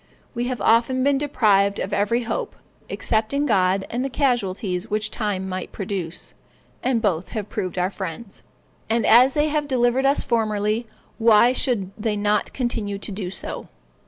We have often been deprived of every hope, except in God and the casualties which time might produce, and both have proved our friends. And as they have delivered us formerly, why should they not continue to do so.